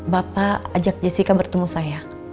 bapak ajak jessica bertemu saya